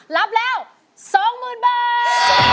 รับแล้ว๒๐๐๐บาท